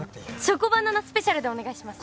チョコバナナスペシャルでお願いします。